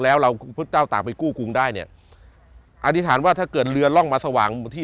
แล้วเราพระเจ้าต่างไปกู้กรุงได้เนี่ยอธิษฐานว่าถ้าเกิดเรือร่องมาสว่างที่